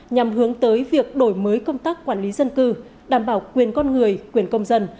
nhằm hướng tới việc đổi mới công tác quản lý dân cư đảm bảo quyền con người quyền công dân